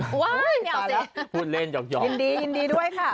อ้าวไม่เอาเสียยินดียินดีด้วยค่ะพูดเล่นหยอก